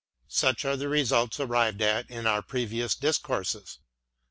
Such are the results arrived at in our previous discourses.